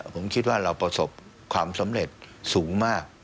ผมคิดว่าเราประสบความสำเร็จสูงมาก